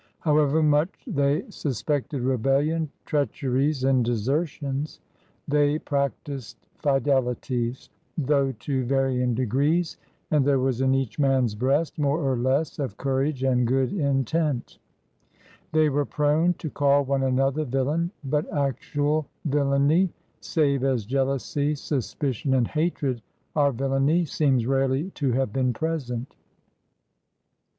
However much they suspected rebellion, treacheries, and desertions, they practiced fideli ties, though to varying degrees, and there was in «7 28 FIONEEBS OF THE OLD SOUTH each man's breast more or less of courage and good intent. They were prone to call one another villain, but actual villainy — save as jealousy, sus picion, and hatred are villainy — seems rarely to have been present.